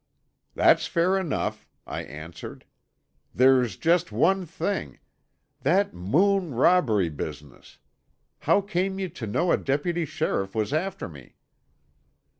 "That's fair enough," I answered. "There's just one thing—that Moon robbery business. How came you to know a deputy sheriff was after me?"